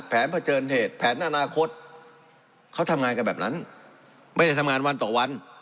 เผชิญเหตุแผนอนาคตเขาทำงานกันแบบนั้นไม่ได้ทำงานวันต่อวัน